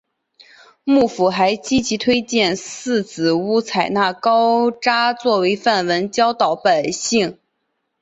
幕府还积极推荐寺子屋采纳高札作为范文教导百姓。